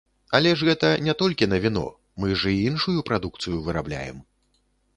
Але ж гэта не толькі на віно, мы ж і іншую прадукцыю вырабляем.